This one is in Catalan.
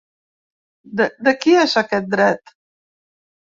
De qui és aquest dret?